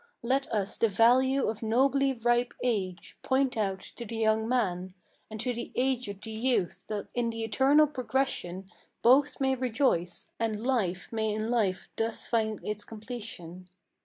Let us the value of nobly ripe age, point out to the young man, And to the aged the youth, that in the eternal progression Both may rejoice, and life may in life thus find its completion."